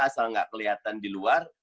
asal nggak kelihatan di luar